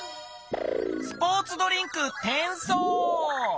スポーツドリンクてんそう。